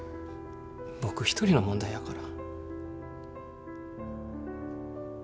僕一人の問題やから。